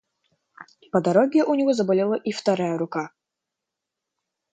По дороге у него заболела и вторая рука.